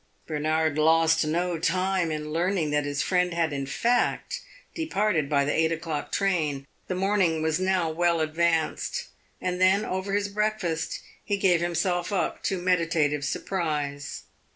Bernard lost no time in learning that his friend had in fact departed by the eight o'clock train the morning was now well advanced; and then, over his breakfast, he gave himself up to meditative surprise.